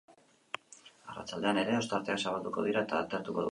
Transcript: Arratsaldean ere, ostarteak zabalduko dira eta atertuko du.